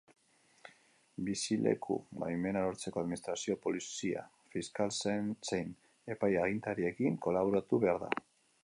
Bizileku-baimena lortzeko, administrazio, polizia, fiskal zein epai-agintariekin kolaboratu behar da.